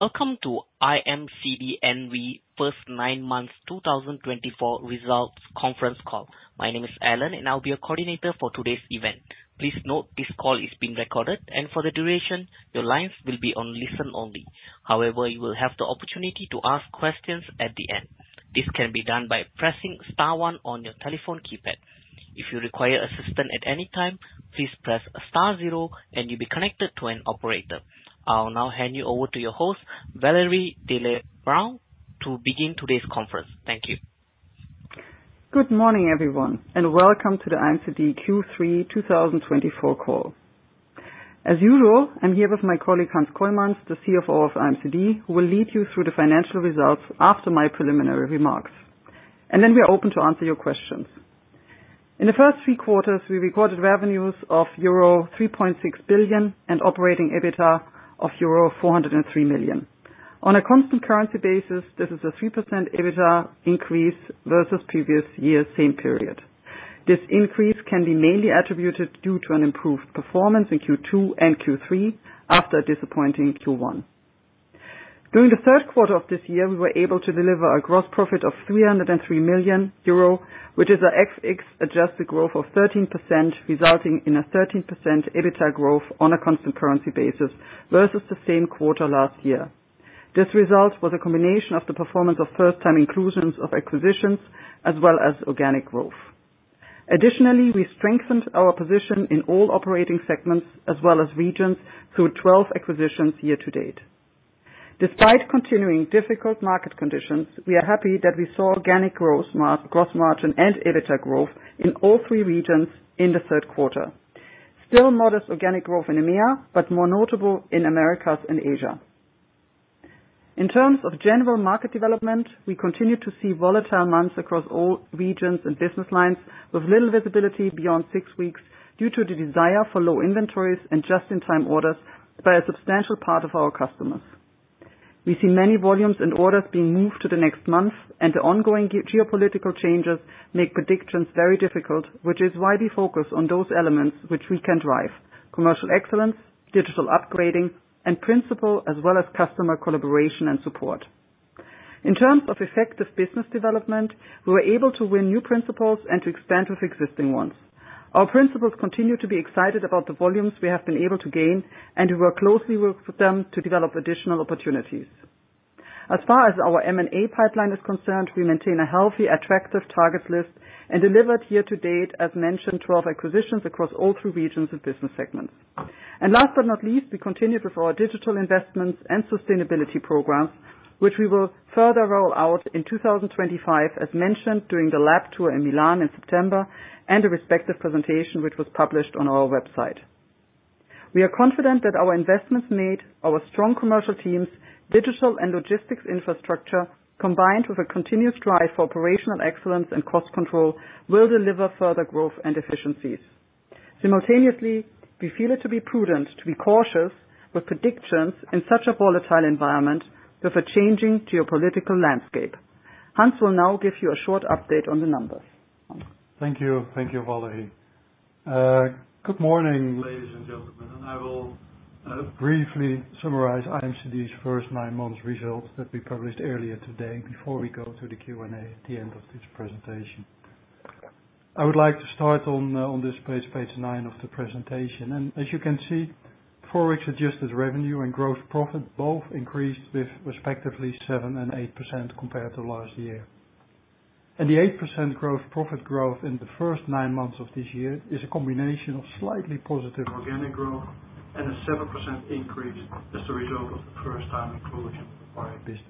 Welcome to IMCD N.V. First Nine Months 2024 Results Conference Call. My name is Alan and I will be your coordinator for today's event. Please note this call is being recorded and for the duration your lines will be on listen-only. However, you will have the opportunity to ask questions at the end. This can be done by pressing one on your telephone keypad. If you require assistance at any time, please press 0 and you'll be connected to an operator. I'll now hand you over to your host Valerie Diele-Braun to begin today's conference. Thank you. Good morning everyone and welcome to the IMCD Q3 2024 call. As usual, I'm here with my colleague Hans Kooijmans, the CFO of IMCD, who will lead you through the financial results after my preliminary remarks and then we are open to answer your questions. In the first three quarters we recorded revenues of euro 3.6 billion and operating EBITDA of euro 403 million on a constant currency basis. This is a 3% EBITDA increase versus previous year same period. This increase can be mainly attributed due to an improved performance in Q2 and Q3. After a disappointing Q1 during the third quarter of this year, we were able to deliver a gross profit of 303 million euro which is a FX adjusted growth of 13%, resulting in a 13% EBITDA growth on a constant currency basis versus the same quarter last year. This result was a combination of the performance of first time inclusions of acquisitions as well as organic growth. Additionally, we strengthened our position in all operating segments as well as regions through 12 acquisitions year to date despite continuing difficult market conditions. We are happy that we saw organic growth, gross margin and EBITDA growth in all three regions in the third quarter. Still modest organic growth in EMEA but more notable in Americas and Asia. In terms of general market development, we continue to see volatile months across all regions and business lines with little visibility beyond six weeks. Due to the desire for low inventories and just in time orders by a substantial part of our customers, we see many volumes and orders being moved to the next month and the ongoing geopolitical changes make predictions very difficult, which is why we focus on those elements which we can drive commercial excellence, digital upgrading and principals as well as customer collaboration and support. In terms of effective business development, we were able to win new principals and to expand with existing ones. Our principals continue to be excited about the volumes we have been able to gain and we work closely with them to develop additional opportunities. As far as our M&A pipeline is concerned we maintain a healthy, attractive target list and delivered year to date, as mentioned, 12 acquisitions across all three regions of business segments. Last but not least, we continued with our digital investments and sustainability programs which we will further roll out in 2025. As mentioned during the lab tour in Milan in September and the respective presentation which was published on our website, we are confident that our investments made our strong commercial teams digital and logistics infrastructure, combined with a continuous drive for operational excellence and cost control will deliver further growth and efficiencies simultaneously. We feel it to be prudent to be cautious with predictions in such a volatile environment with a changing geopolitical landscape. Hans will now give you a short update on the numbers. Thank you, thank you. Valerie. Good morning ladies and gentlemen. I will briefly summarize IMCD's first nine months' results that we published earlier today before we go to the Q&A at the end of this presentation. I would like to start on this page nine of the presentation, and as you can see, Forex adjusted revenue and gross profit both increased with respectively 7% and 8% compared to last year, and the 8% gross profit growth in the first nine months of this year is a combination of slightly positive organic growth and a 7% increase as a result of the first time inclusion of our businesses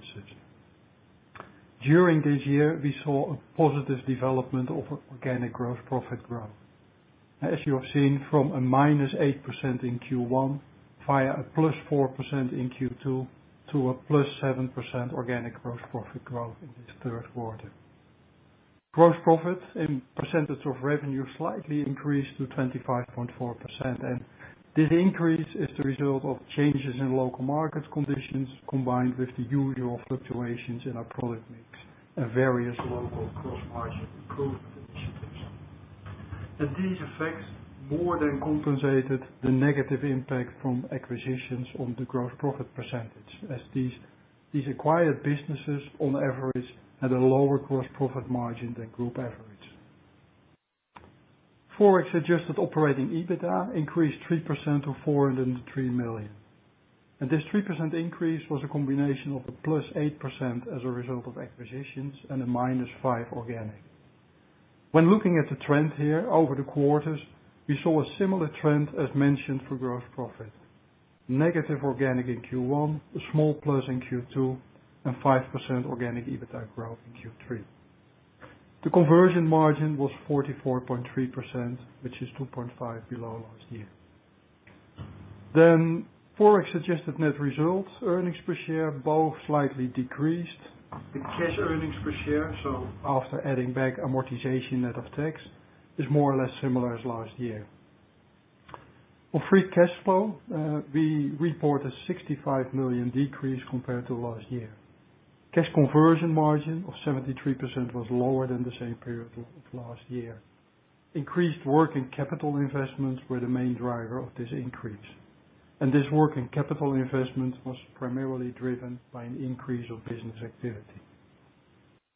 during this year. We saw a positive development of organic gross profit growth as you have seen from a -8% in Q1 via a +4% in Q2 to a +7% organic gross profit growth in the third quarter. Gross profit in percentage of revenue slightly increased to 25.4%, and this increase is the result of changes in local market conditions combined with the usual fluctuations in our product mix and various local gross margin improvement initiatives, and these effects more than compensated the negative impact from acquisitions on the gross profit percentage as these acquired businesses on average had a lower gross profit margin than group average. Forex adjusted operating EBITDA increased 3% to 403 million and this 3% increase was a combination of a plus 8% as a result of acquisitions and a minus 5% organic. When looking at the trend here over the quarters we saw a similar trend as mentioned for gross profit negative organic in Q1, a small plus in Q2 and 5% organic EBITDA growth in Q3 the conversion margin was 44.3% which is 2.5% below last year. Then Forex adjusted net result earnings per share both slightly decreased the cash earnings per share so after adding back amortization net of tax is more or less similar as last year on free cash flow we report a 65 million decrease compared to last year. Cash conversion margin of 73% was lower than the same period last year. Increased working capital investments were the main driver of this increase, and this working capital investment was primarily driven by an increase of business activity.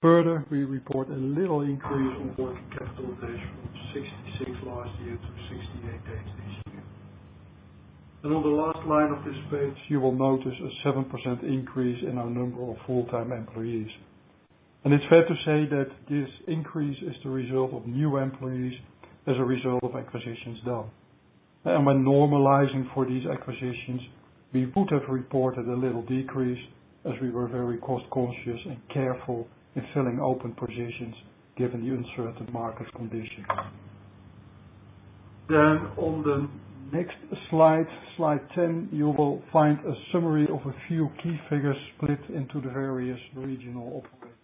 Further, we report a little increase on working capital - from 66 days last year to 68 days this year. And on the last line of this page you will notice a 7% increase in our number of full-time employees, and it's fair to say that this increase is the result of new employees as a result of acquisitions done, and when normalizing for these acquisitions we would have reported a little decrease as we were very cost conscious and careful in filling open positions given the uncertain market conditions. Then on the next slide, slide 10, you will find a summary of a few key figures split into the various regional operating segments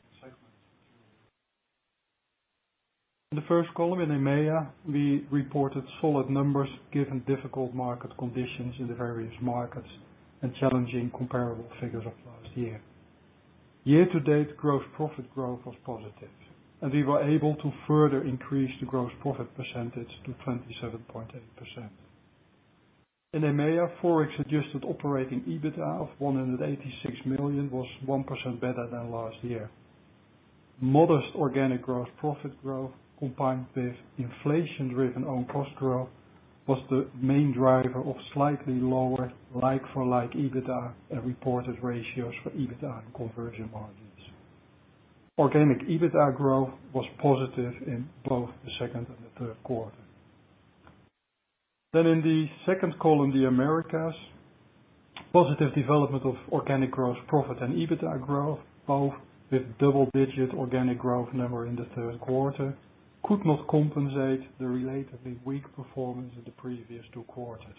in the first column. In EMEA we reported solid numbers given difficult market conditions in the various markets and challenging comparable figures of last year. Year to date, gross profit growth was positive and we were able to further increase the gross profit percentage to 27.8%. In EMEA, forex adjusted operating EBITDA of 186 million was 1% better than last year. Modest organic growth profit growth combined with inflation driven owned cost growth was the main driver of slightly lower like for like EBITDA and reported ratios for EBITDA and conversion margins. Organic EBITDA growth was positive in both the second and the third quarter, then in the second column, the Americas positive development of organic gross profit and EBITDA growth, both with double digit organic growth number in the third quarter could not compensate the relatively weak performance in the previous two quarters.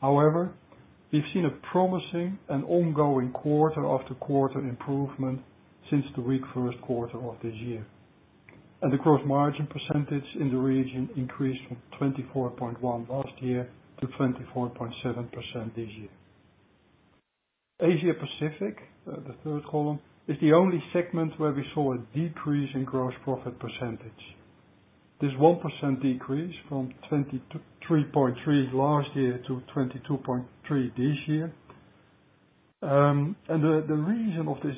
However, we've seen a promising and ongoing quarter after quarter improvement since the weak first quarter of this year, and the gross margin percentage in the region increased from 24.1% last year to 24.7% this year. Asia Pacific, the third column, is the only segment where we saw a decrease in gross profit percentage. This 1% decrease from 23.3% last year to 22.3% this year, and the reason of this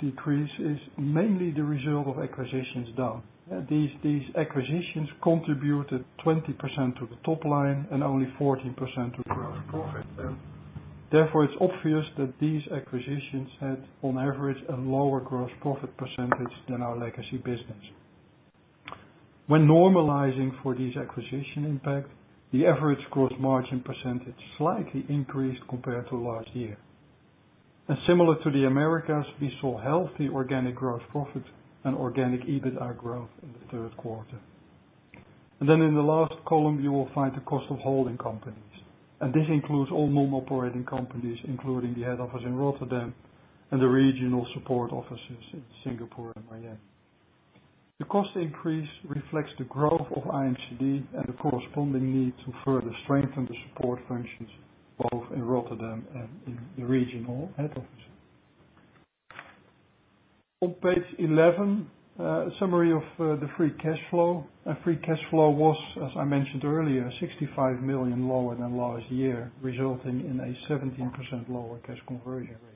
decrease is mainly the result of acquisitions done. These acquisitions contributed 20% to the top line and only 14% to gross profit. Therefore, it's obvious that these acquisitions had on average a lower gross profit percentage than our legacy business. When normalizing for these acquisition impact, the average gross margin percentage slightly increased compared to last year. And similar to the Americas, we saw healthy organic gross profit and organic EBITDA growth in the third quarter. And then in the last column you will find the cost of holding companies, and this includes all non-operating companies including the head office in Rotterdam and the regional support offices in Singapore and Miami. The cost increase reflects the growth of IMCD and the corresponding need to further strengthen the support functions both in Rotterdam and in the regional head office. On page 11, a summary of the free cash flow. Free cash flow was, as I mentioned earlier, 65 million lower than last year resulting in a 17% lower cash conversion ratio.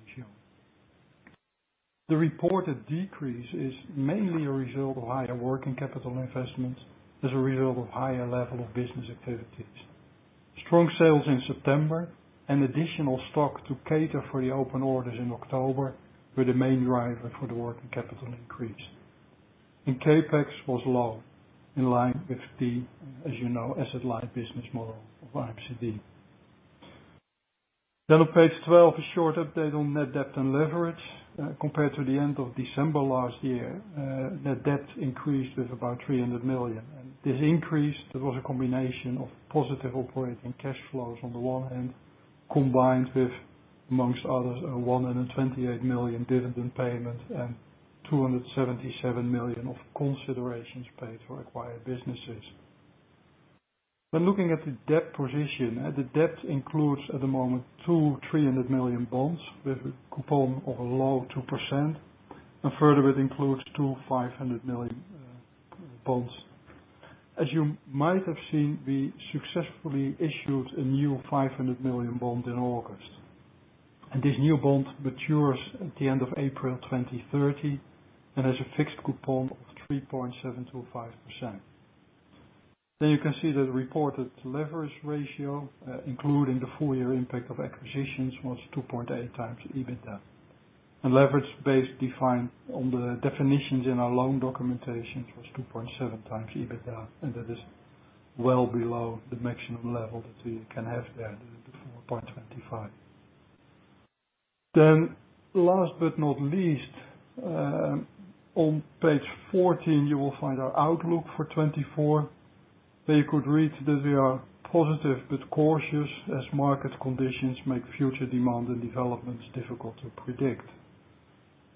The reported decrease is mainly a result of higher working capital investments as a result of higher level of business activities. Strong sales in September and additional stock to cater for the open orders in October were the main driver for the working capital increase. Capex was low in line with the asset-light business model of IMCD. Then on page 12, a short update on net debt and leverage. Compared to the end of December last year, net debt increased with about 300 million. This increase was a combination of positive operating cash flows on the one hand combined with among others 128 million dividend payment and 277 million of considerations paid for acquired businesses. When looking at the debt position, the debt includes at the moment two 300 million bonds with a coupon of a low 2% and further it includes two 500 million bonds. As you might have seen, we successfully issued a new 500 million bond in August and this new bond matures at the end of April 2030 and has a fixed coupon of 3.725%. Then you can see that reported leverage ratio including the full year impact of acquisitions was 2.8 times EBITDA and leverage based defined on the definitions in our loan documentation was 2.7 times EBITDA and that is well below the maximum level that we can have there, the 4.25. Then last but not least on page 14 you will find our outlook for 2024. There you could read that we are positive but cautious as market conditions make future demand and developments difficult to predict.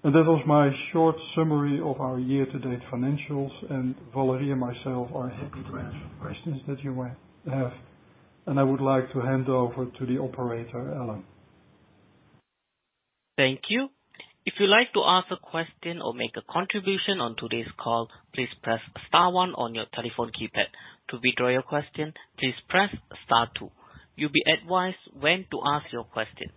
That was my short summary of our year-to-date financials, and Valerie and myself are happy to answer the questions that you have, and I would like to hand over to the operator, Alan. Thank you. If you like to ask a question or make a contribution on today's call, please press star 1 on your telephone keypad. To withdraw your question, please press star two. You'll be advised when to ask your question.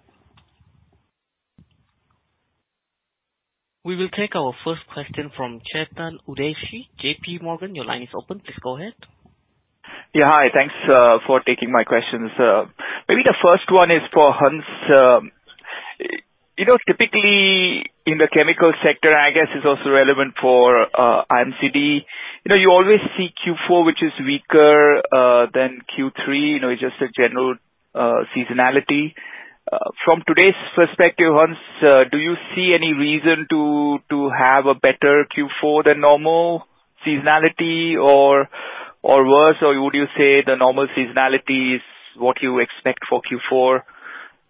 We will take our first question from Chetan Udeshi, J.P. Morgan, your line is open. Please go ahead. Thanks for taking my questions. Maybe the first one is for Hans. Typically in the chemical sector, I guess is also relevant for IMCD. You always see Q4 which is weaker than Q3. It's just a general seasonality. From today's perspective, Hans, do you see any reason to have a better Q4 than normal seasonality or worse? Or would you say the normal seasonality is what you expect for Q4?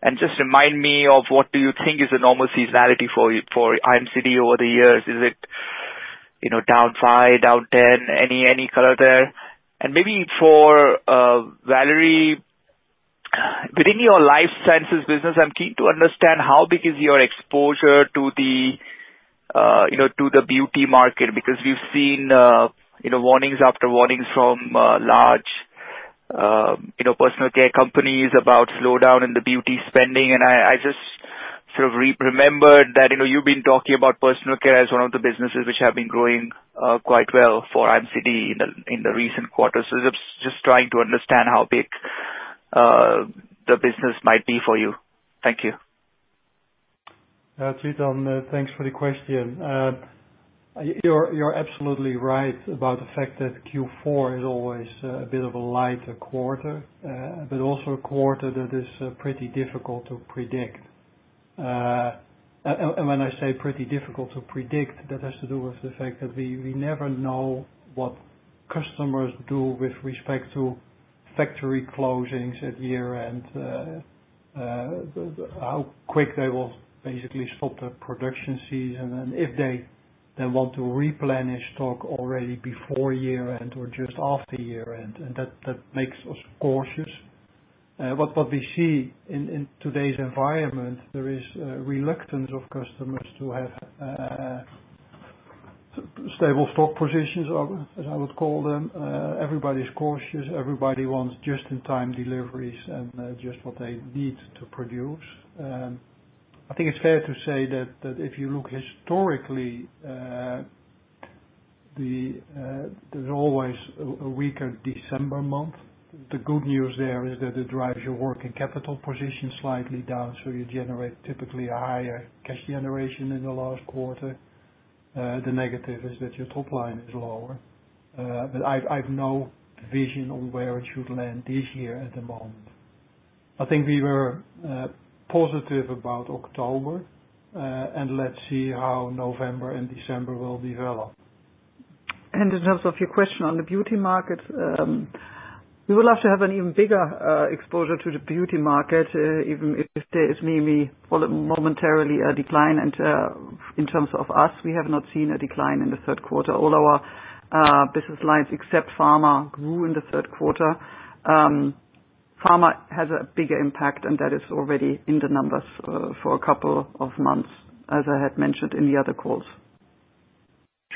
And just remind me of what do you think is the normal seasonality for IMCD over the years? Is it down 5, down 10? Any color there? And maybe for Valerie, within your Life Sciences business, I'm keen to understand how big is your exposure to the Beauty market because we've seen warnings after warnings from large personal care companies about slowdown in the beauty spending. I just sort of remembered that you've been talking about personal care as one of the businesses which have been growing quite well for IMCD in the recent quarters. Just trying to understand how big the business might be for you? Thank you Chetan, thanks for the question. You're absolutely right about the fact that Q4 is always a bit of a lighter quarter, but also a quarter that is pretty difficult to predict, and when I say pretty difficult to predict, that has to do with the fact that we never know what customers do with respect to factory closings at year end, how quick they will basically stop the production season and if they want to replenish stock already before year end or just after year end, and that makes us cautious. What we see in today's environment, there is reluctance of customers to have stable stock positions, as I would call them. Everybody's cautious. Everybody wants just in time, these deliveries and just what they need to produce. I think it's fair to say that if you look historically, there's always a weaker December month. The good news there is that it drives your working capital position slightly down so you generate typically a higher cash generation in the last quarter. The negative is that your top line is lower, but I have no vision on where it should land this year. At the moment I think we were positive about October and let's see how November and December will develop. In terms of your question on the beauty market, we would love to have an even bigger exposure to the beauty market even if there is nearly momentarily a decline. In terms of us, we have not seen a decline in the third quarter. All our business lines except pharma grew in the third quarter. Pharma has a bigger impact and that is already in the numbers for a couple of months as I had mentioned in the other calls.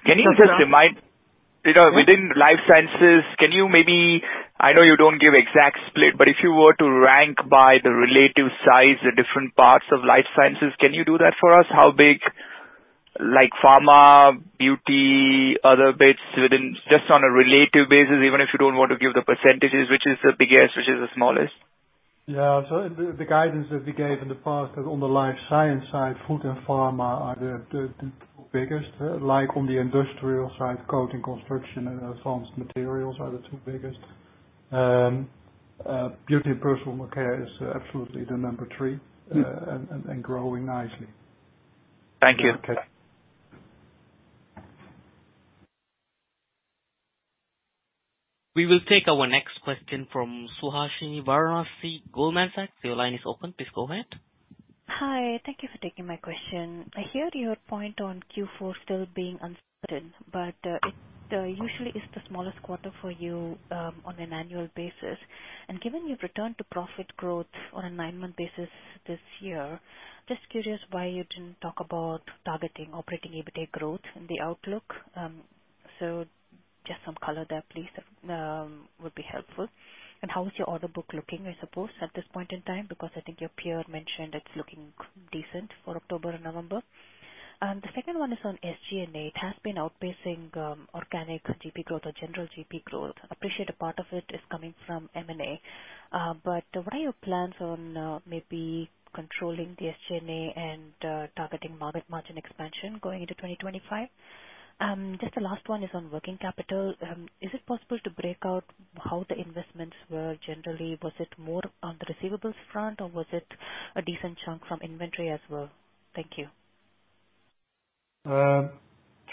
Can you just remind within Life Sciences, can you maybe? I know you don't give exact split, but if you were to rank by the relative size the different parts of Life Sciences, can you do that for us? How big? Like pharma, beauty, other bits within, just on a relative basis even if you don't want to give the percentages, which is the biggest, which is the smallest? Yeah. So the guidance that we gave in the past that on the life science side food and pharma are the biggest. Like on the industrial side coating, construction and advanced materials are the two biggest. Beauty and personal care is absolutely the number three and growing nicely. Thank you. We will take our next question from Suhasini Varanasi, Goldman Sachs. Your line is open. Please go ahead. Hi, thank you for taking my question. I hear your point on Q4 still being uncertain, but it usually is the smallest quarter for you on an annual basis, and given you've returned to profit growth on a nine-month basis this year, just curious why you didn't talk about targeting operating EBITDA growth in the outlook. So just some color there please would be helpful, and how is your order book looking, I suppose, at this point in time because I think your peer mentioned it's looking decent for October and November. The second one is on SG&A. It has been outpacing organic GP growth or general GP growth. Appreciate, part of it is coming from, but what are your plans on maybe controlling the SG&A and targeting margin expansion going into 2025? Just the last one is on working capital. Is it possible to break out how the investments were generally? Was it more on the receivables front or was it a decent chunk from inventory as well? Thank you.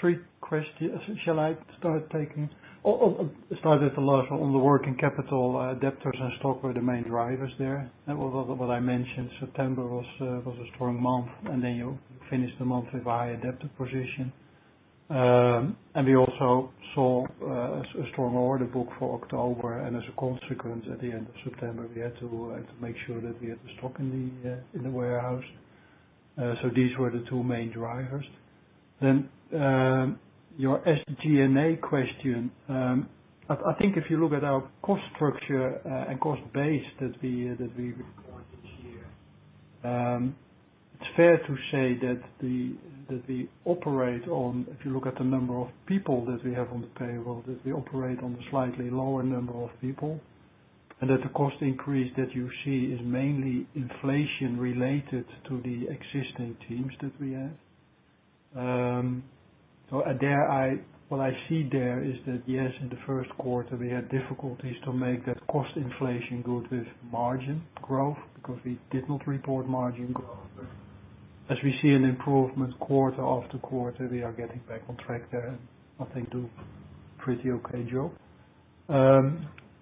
Three questions. Shall I start taking? Started a lot on the working capital additions and stock were the main drivers there. What I mentioned, September was a strong month and then you finished the month with high inventory position and we also saw a strong order book for October and as a consequence at the end of September we had to make sure that we had the stock in the warehouse. So these were the two main drivers. Then your SG&A question. I think if you look at our cost structure and cost base that we report this year, it's fair to say that we operate on, if you look at the number of people that we have on the payroll, that we operate on a slightly lower number of people and that the cost increase that you see is mainly inflation related to the existing teams that we have. So, what I see there is that, yes, in the first quarter we had difficulties to make that cost inflation good with margin growth because we did not report margin growth. As we see an improvement quarter after quarter, we are getting back on track. There, I think we do pretty okay, though.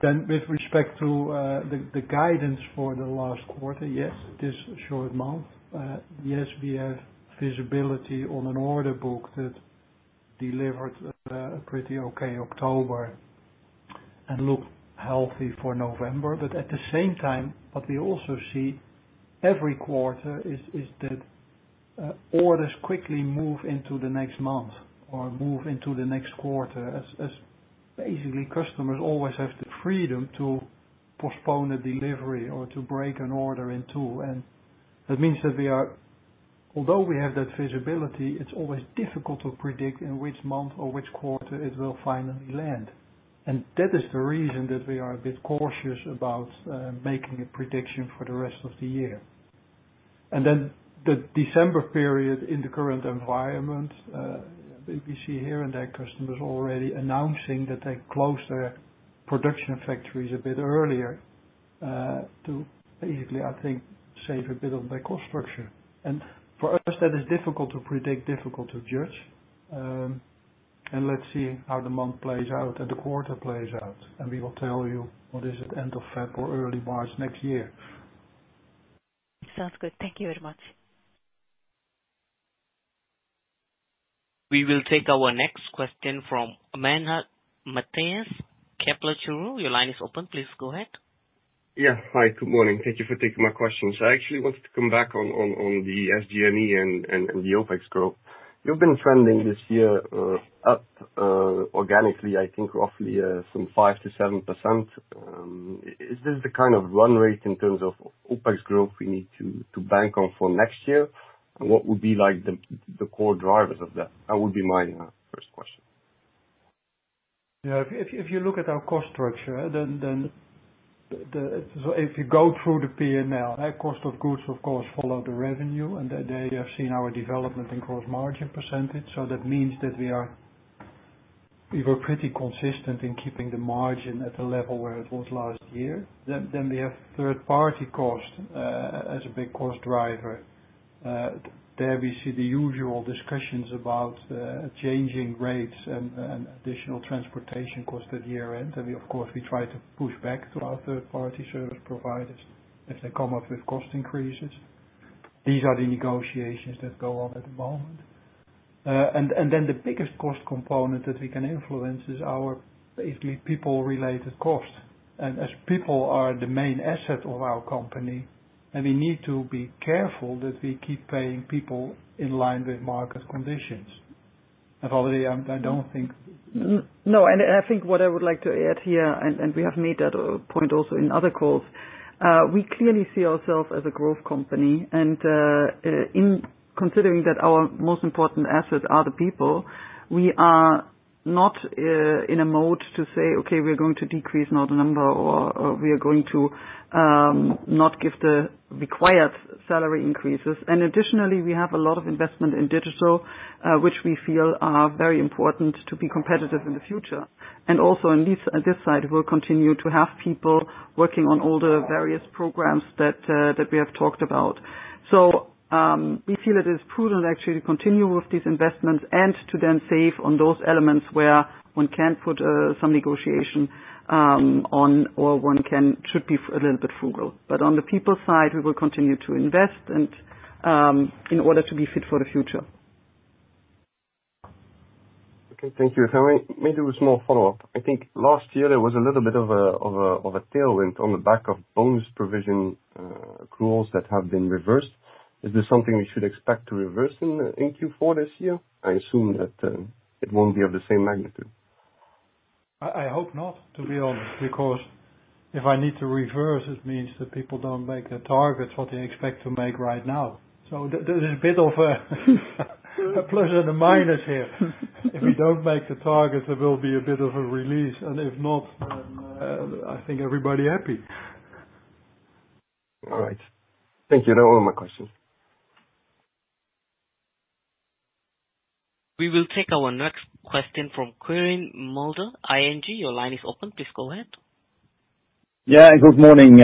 Then, with respect to the guidance for the last quarter, yes, this short month, yes, we have visibility on an order book that delivered a pretty okay October and looked healthy for November, but at the same time what we also see every quarter is that orders quickly move into the next month or move into the next quarter as basically customers always have the freedom to postpone a delivery or to break an order in two. That means that we are, although we have that visibility, it's always difficult to predict in which month or which quarter it will finally land. That is the reason that we are a bit cautious about making a prediction for the rest of the year and then the December period. In the current environment we see here and there customers already announcing that they close their production factories a bit earlier to basically I think save a bit of the cost structure. For us that is difficult to predict, difficult to judge. Let's see how the month plays out and the quarter plays out and we will tell you what is it end of February, early March next year? Sounds good. Thank you very much. We will take our next question. From Matthias Maenha, Kepler Cheuvreux, your line is open. Please go ahead. Yeah, hi, good morning. Thank you for taking my questions. I actually wanted to come back on the SG&A and the OPEX group. You've been trending this year up organically, I think roughly from 5%-7%. Is this the kind of run rate in terms of OPEX growth we need to bank on for next year and what would be like the core drivers of that? That would be my first question. If you look at our cost structure, then if you go through the P and L, cost of goods of course follow the revenue, and they have seen our development in gross margin percentage, so that means that we are we were pretty consistent in keeping the margin at the level where it was last year. Then we have third-party cost as a big cost driver. There we see the usual discussions about changing rates and additional transportation cost at year end. And of course we try to push back to our third-party service providers if they come up with cost increases. These are the negotiations that go on at the moment. And then the biggest cost component that we can influence is our basically people-related cost. And as people are the main asset of our company and we need to be careful that we keep paying people in line with market conditions. Valerie, I don't think. No. And I think what I would like to add here, and we have made that point also in other calls, we clearly see ourselves as a growth company and in considering that our most important assets are the people, we are not in a mode to say, okay, we're going to decrease, not a number or we are going to not give the required salary increases. And additionally, we have a lot of investment in digital, which we feel are very important to be competitive in the future. And also at this side, we'll continue to have people working on all the various programs that we have talked about. So we feel it is prudent actually to continue with these investments and to then save on those elements where one can put some negotiation on or one can should be a little bit frugal. But on the people side, we will continue to invest, and in order to be fit for the future. Okay, thank you. If I may do a small follow up, I think last year there was a little bit of a tailwind on the back of bonus provision accruals that have been reversed. Is this something we should expect to reverse in Q4 this year? I assume that it won't be of the same magnitude. I hope not, to be honest, because if I need to reverse, it means that people don't make the targets what they expect to make right now. So there is a bit of a plus and a minus here. If we don't make the target, there will be a bit of a release. And if not, I think everybody happy. All right, thank you. That were my questions. We will take our next question from Quirijn Mulder, ING. Your line is open. Please go ahead. Yeah, good morning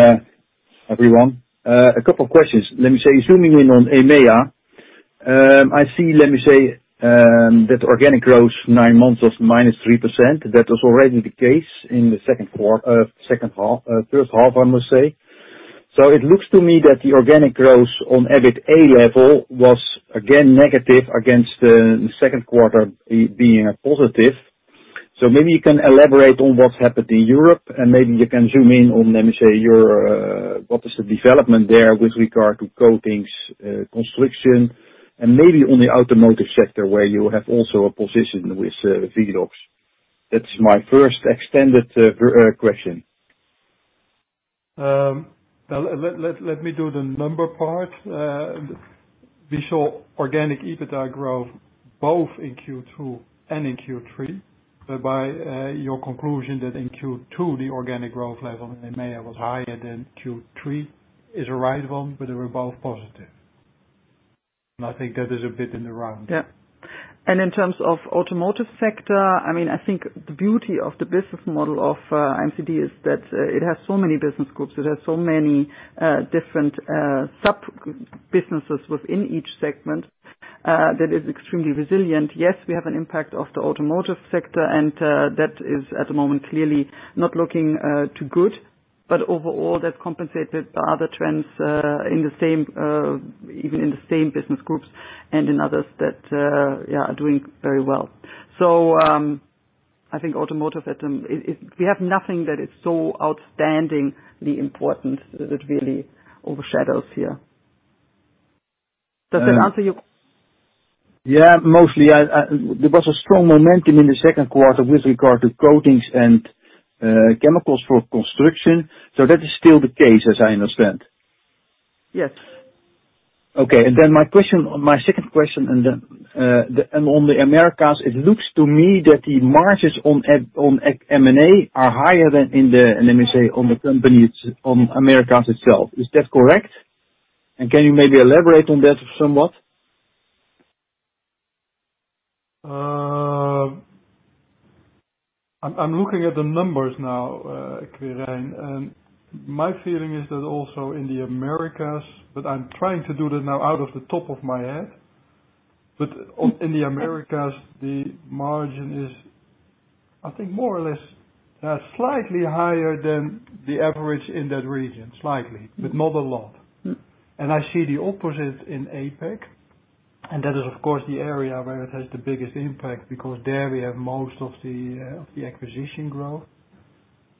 everyone. A couple of questions. Let me say zooming in on EMEA. I see. Let me say that organic growth 9 months of -3%. That was already the case in the second quarter of second half, first half, I must say. So it looks to me that the organic growth on EBITDA level was again negative against the second quarter being a positive. So maybe you can elaborate on what's happened in Europe and maybe you can zoom in on, let me say your what is the development there with regard to coatings construction and maybe on the automotive sector where you have also a position with Velox. That's my first extended question. Let me do the number part. We saw organic EBITDA growth both in Q2 and in Q3, but by your conclusion that in Q2 the organic growth level in EMEA was higher than Q3 is the right one. But they were both positive. I think that is a bit in the round. Yeah. And in terms of the automotive sector, I mean, I think the beauty of the business model of IMCD is that it has so many business groups. It has so many different sub businesses within each segment. That is extremely resilient. Yes, we have an impact from the automotive sector, and that is at the moment clearly not looking too good. But overall, that is compensated by other trends in the same. Even in the same business groups and in others that are doing very well. So I think automotive. We have nothing that is so outstandingly important that really overshadows here. Does that answer you? Yeah, mostly there was a strong momentum in the second quarter with regard to coatings and chemicals for construction. So that is still the case, as I understand. Yes. Okay. And then my question, my second question. And on the Americas, it looks to me that the margins on M&A are higher than in the, let me say, on the company, on Americas itself. Is that correct? And can you maybe elaborate on that somewhat? I'm looking at the numbers now, and my feeling is that also in the Americas, but I'm trying to do that now off the top of my head. But in the Americas, the margin is, I think, more or less slightly higher than the average in that region. Slightly, but not a lot. And I see the opposite in APAC. And that is, of course, the area where it has the biggest impact because there we have most of the acquisition growth,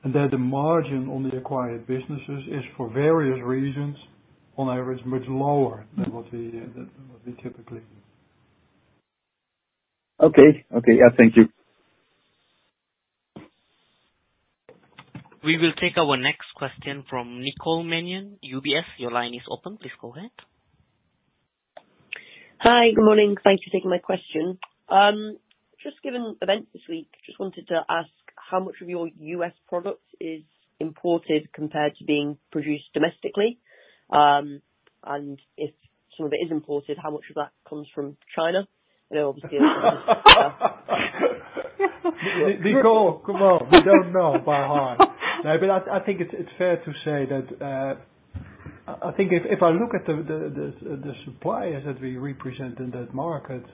and that the margin on the acquired businesses is, for various reasons, on average much lower than what we typically do. Okay. Okay, thank you. We will take our next question from Nicole Manion, UBS. Your line is open. Please go ahead. Hi, good morning. Thank you for taking my question. Just given events this week, just wanted to ask how much of your U.S. product is imported compared to being produced domestically and if some of it is imported, how much of that comes from China? Nicole, we don't know by heart, but I think it's fair to say that. I think if I look at the suppliers that we represent in that market,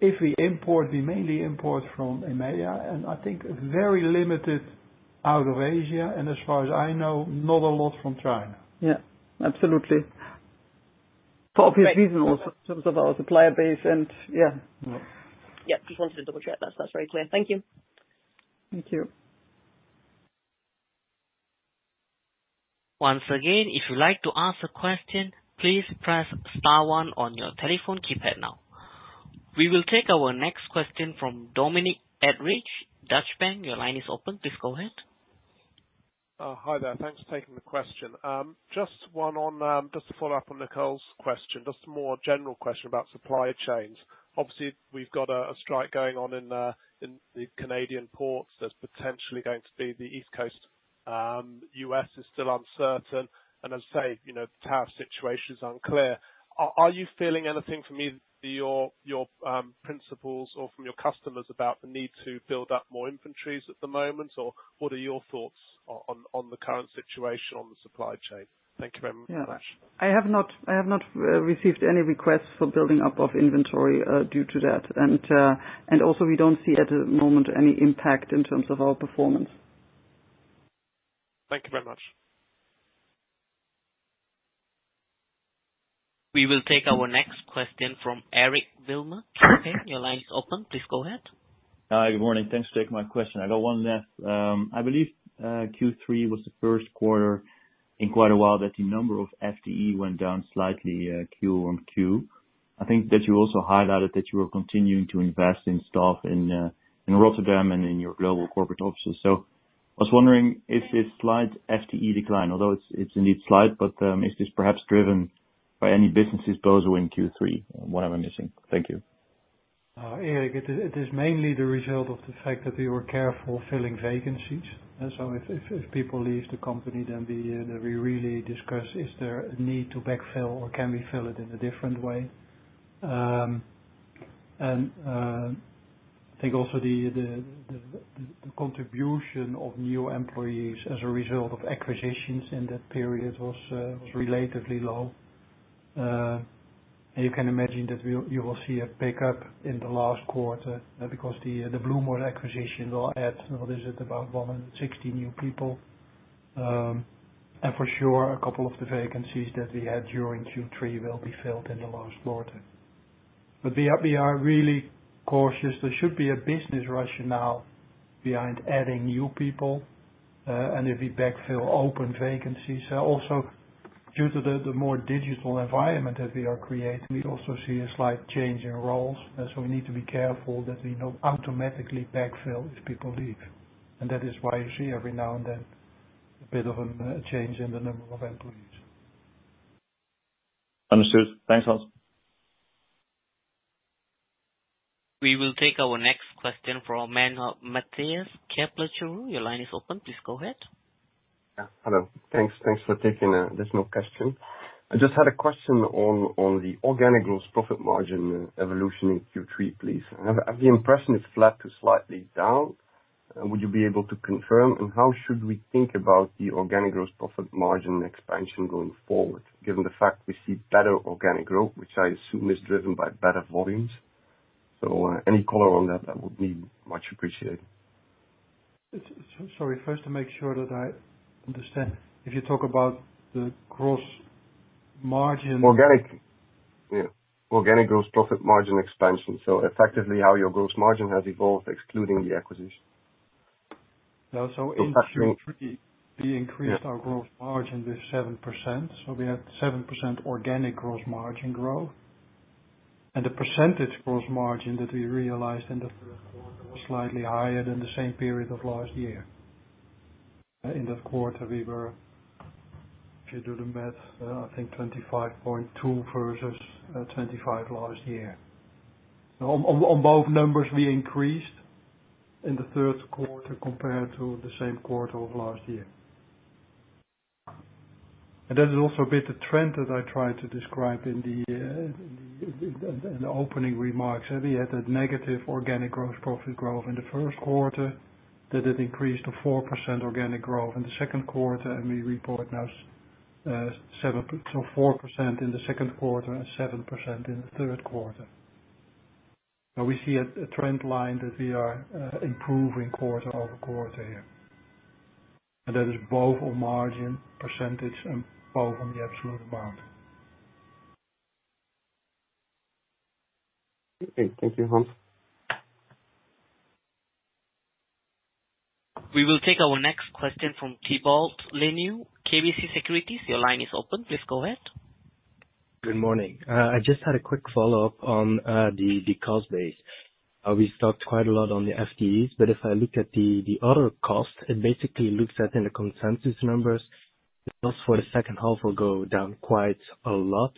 if we import, we mainly import from EMEA and I think very limited out of Asia and as far as I know, not a lot from China. Yeah, absolutely. For obvious reason. Also in terms of our supplier base and. Yeah, yeah, just wanted to double check. That's very clear. Thank you. Thank you. Once again, if you like to ask a question, please press Star one on your telephone keypad. Now we will take our next question from Dominic Edridge, Deutsche Bank. Your line is open. Please go ahead. Hi there. Thanks for taking the question. Just one on just to follow up on Nicole's question, just more general question about supply chains. Obviously we've got a strike going on in the Canadian ports. There's potentially going to be the East Coast. U.S. is still uncertain and, as I say, the tariff situation is unclear. Are you feeling anything from either your principals or from your customers about the need to build up more inventories at the moment or what are your thoughts on the current situation on the supply chain? Thank you very much. I have not received any requests for building up of inventory due to that and also we don't see at the moment any impact in terms of our performance. Thank you very much. We will take our next question from Eric Wilmer. Your line is open. Please go ahead. Hi, good morning. Thanks for taking my question. I got one left. I believe Q3 was the first quarter in quite a while that the number of FTE went down slightly. In Q1, I think that you also highlighted that you are continuing to invest in staff in Rotterdam and in your global corporate offices. So I was wondering is this slight FTE decline, although it's indeed slight, but is this perhaps driven by any businesses or so in Q3? What am I missing? Thank you, Eric. It is mainly the result of the fact that we were careful filling vacancies. So if people leave the company then we really discuss, is there a need to backfill or can we fill it in a different way? And I think also the contribution of new employees as a result of acquisitions in that period was relatively low. You can imagine that you will see a pickup in the last quarter because the Bluemore acquisition will add what is it, about 160 new people. And for sure a couple of the vacancies that we had during Q3 will be filled in the last quarter. But we are really cautious. There should be a business rationale behind adding new people. And if we backfill open vacancies, also due to the more digital environment that we are creating, we also see a slight change in roles. So we need to be careful that we don't automatically backfill if people leave. And that is why you see every now and then a bit of a change in the number of employees. Understood. Thanks a lot. We will take our next question from Matthias Kepler Cheuvreux. Your line is open. Please go ahead. Hello, thanks. Thanks for taking this question. I just had a question on the organic gross profit margin evolution in Q3. I have the impression it's flat to slightly down. Would you be able to confirm and how should we think about the organic gross profit margin expansion going forward given the fact we see better organic growth, which I assume is driven by better volumes? So any color on that, that would be much appreciated. Sorry. First, to make sure that I understand if you talk about the gross margin? Organic gross profit margin expansion, so effectively how your gross margin has evolved excluding the acquisition. In Q3, we increased our gross margin with 7%, so we had 7% organic gross margin growth. And the percentage gross margin that we realized in the third quarter was slightly higher than the same period of last year. In that quarter we were, if you do the math, I think 25.2 versus 25 last year. On both numbers we increased in the third quarter compared to the same quarter of last year, and that is also a bit of trend that I tried to describe in the opening remarks that we had a negative organic gross profit growth in the first quarter, that it increased to 4% organic growth in the second quarter. And we report now 4% in the second quarter and 7% in the third quarter. Now we see a trend line that we are improving quarter over quarter here and that is both on margin percentage and both on the absolute amount. Great, thank you, Hans. We will take our next question from Thibault Leneeuw, KBC Securities. Your line is open. Please go ahead. Good morning. I just had a quick follow up on the cost base. We talked quite a lot on the FTEs, but if I look at the other cost it basically looks like in the consensus numbers. The cost for the second half will go down quite a lot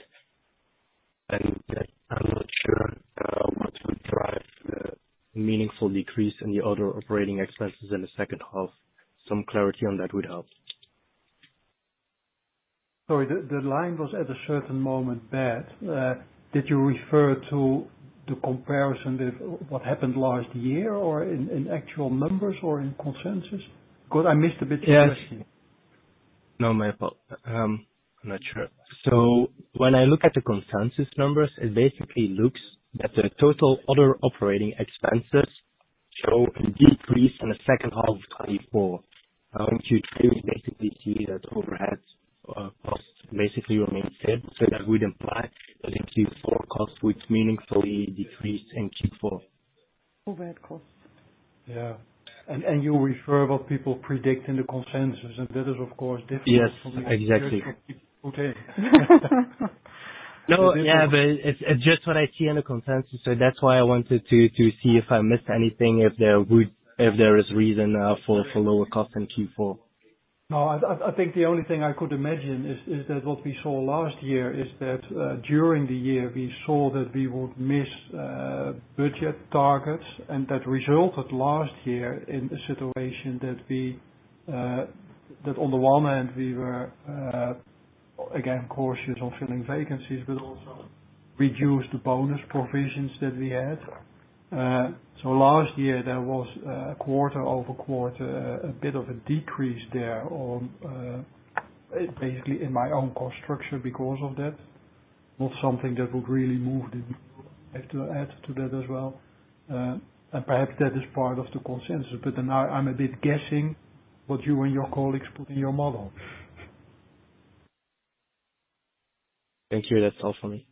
and I'm not sure what would drive meaningful decrease in the other operating expenses in the second half. Some clarity on that would help. Sorry, the line was at a certain moment bad. Did you refer to the comparison with what happened last year or in actual numbers or in consensus? Because I missed a bit. No, Michael, I'm not sure. So when I look at the consensus numbers, it basically looks that the total other operating expenses show a decrease in 2H24. In Q3 we basically see that overhead cost basically remains flat. So that would imply that in Q4 costs would meaningfully decrease in Q4 overhead costs. Yeah, and you refer to what people predict in the consensus, and that is of course difficult. Yes, exactly. No, yeah, but it's just what I see in the consensus. So that's why I wanted to see if I missed anything, if there would. If there is reason for lower cost in Q4? No, I think the only thing I could imagine is that what we saw last year is that during the year we saw that we would miss budget targets and that resulted last year in a situation that on the one hand we were again cautious on filling vacancies, but also reduced the bonus provisions that we had. So last year there was quarter over quarter, a bit of a decrease there basically in my own cost structure because of that. Not something that would really move the needle. I have to add to that as well and perhaps that is part of the consensus. But now I'm a bit guessing what you and your colleagues put in your model. Thank you. That's all for me.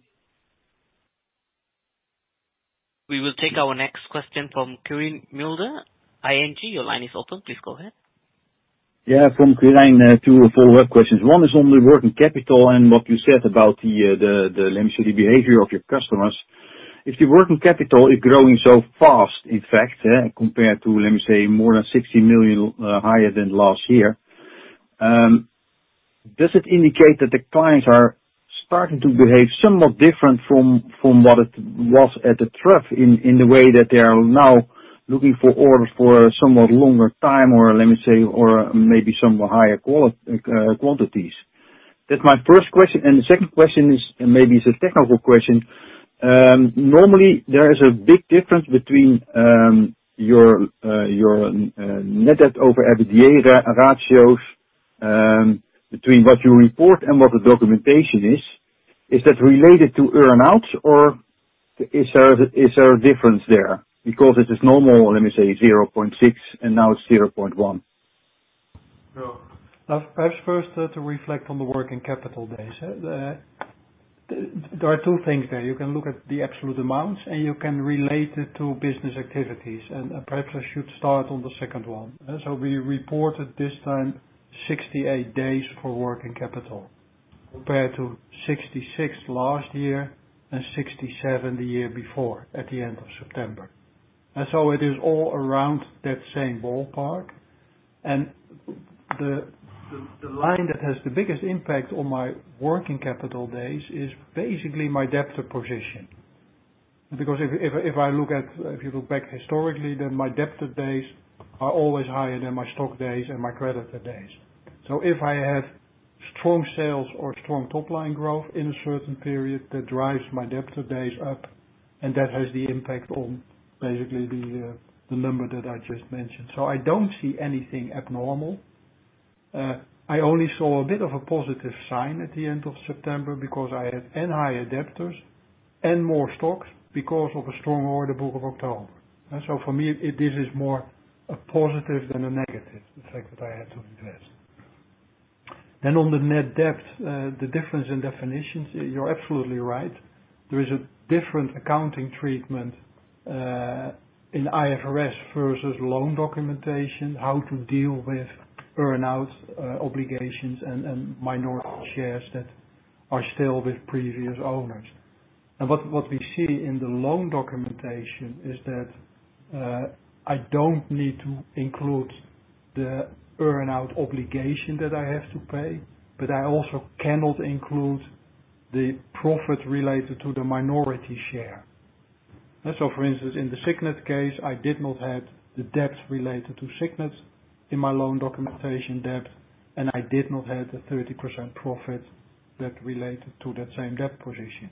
We will take our next question from Quirijn Mulder. Your line is open. Please go ahead. Yeah, from Quirijn, two follow-up questions. One is only working capital and what you said about the, let me see, the behavior of your customers. If the working capital is growing so fast, in fact compared to, let me say, more than 60 million higher than last year, does it indicate that the clients are starting to behave somewhat different from what it was at the trough in the way that they are now looking for orders for somewhat longer time or, let me say, or maybe somewhat higher quality quantities? That's my first question. And the second question is maybe it's a technical question. Normally there is a big difference between your net debt over EBITDA ratios between what you report and what the documentation is. Is that related to earn outs or is there a difference there because it is normal, let me say 0.6 and now it's 0.1? Perhaps. First, to reflect on the working capital days, there are two things there. You can look at the absolute amounts and you can relate it to business activity, and perhaps I should start on the second one, so we reported this time 68 days for working capital compared to 66 last year and 67 the year before at the end of September, and so it is all around that same ballpark, and the line that has the biggest impact on my working capital days is basically my debtor position. Because if you look back historically, then my debtor days are always higher than my stock days and my creditor days, so if I have strong sales or strong top line growth in a certain period, that drives my debtor days up and that has the impact on basically the number that I just mentioned. So I don't see anything abnormal. I only saw a bit of a positive sign at the end of September because I had a high inventory and more stocks because of a strong order book of October. So for me this is more a positive than a negative. The fact that I had to invest then on the net debt, the difference in definitions, you're absolutely right. There is a different accounting treatment in IFRS versus loan documentation. How to deal with earn-out obligations and minority shares that are still with previous owners. And what we see in the loan documentation is that I don't need to include the earn-out obligation that I have to pay, but I also cannot include the profit related to the minority share. So for instance, in the Signet case, I did not have the debt related Signet in my loan documentation debt and I did not have the 30% profit that related to that same debt position.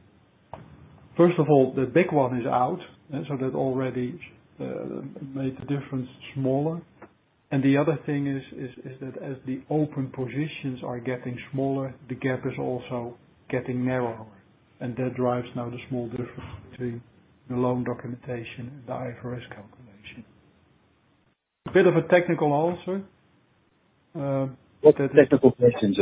First of all, the big one is out. So that already made the difference smaller. And the other thing is that as the open positions are getting smaller, the gap is also getting narrower and that drives now the small difference between the loan documentation, the IFRS calculation. A bit of a technical answer. Technical question.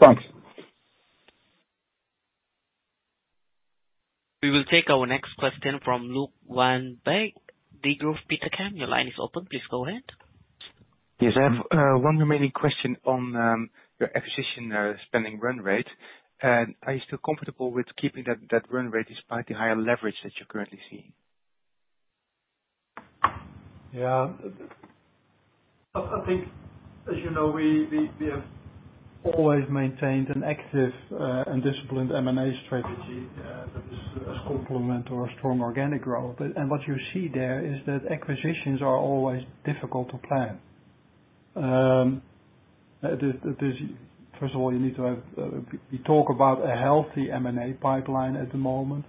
Thanks. We will take our next question from Luuk van Beek, Degroof Petercam. Your line is open. Please go ahead. Yes, I have one remaining question on. Your acquisition spending run rate. And are you still comfortable with keeping? That run rate despite the higher leverage. That you're currently seeing? Yeah, I think as you know, we have always maintained an active and disciplined M&A strategy as a complement to our strong organic growth. And what you see there is that acquisitions are always difficult to plan. First of all, you need to have. We talk about a healthy M&A pipeline at the moment.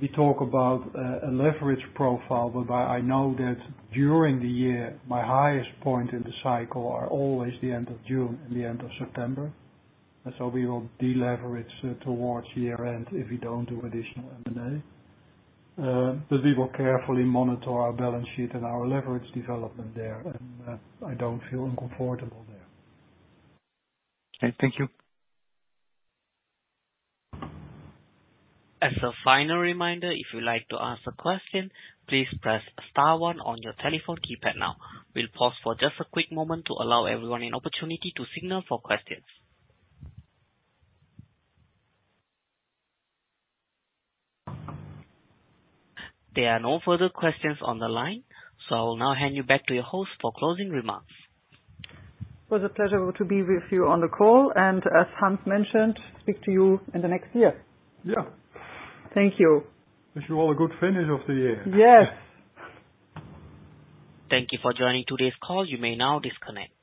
We talk about a leverage profile. But I know that during the year my highest point in the cycle are always the end of June and the end of September. So we will deleverage towards year end if we don't do additional material. But we will carefully monitor our balance sheet and our leverage development there. And I don't feel uncomfortable there. Okay, thank you. As a final reminder, if you like to ask a question, please press Star one on your telephone keypad. Now we'll pause for just a quick moment to allow everyone an opportunity to signal for questions. There are no further questions on the line. So I will now hand you back to your host for closing remarks. It was a pleasure to be with you on the call and as Hans mentioned, speak to you in the next year. Yeah, thank you. Wish you all a good finish of the year. Yes. Thank you for joining today's call. You may now disconnect.